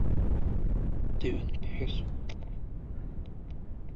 Дыҩнԥҳәысуп.